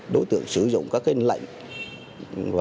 đối tượng làm giả và chứng minh nhân dân làm giả